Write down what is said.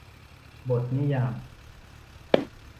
บทนิยาม